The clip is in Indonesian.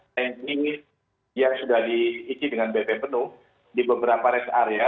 tanking yang sudah diisi dengan bp penuh di beberapa rest area